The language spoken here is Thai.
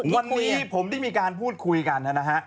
วันนี้ผมได้มีการพูดคุยกันนะฮะ